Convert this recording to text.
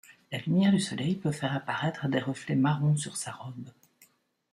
La lumière du soleil peut faire apparaître des reflets marron sur sa robe.